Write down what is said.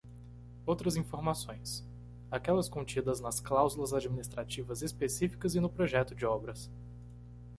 Outras informações: aquelas contidas nas cláusulas administrativas específicas e no projeto de obras.